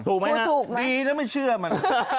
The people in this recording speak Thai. ถูกมั้ยนะดีที่ไม่เชื่อมัน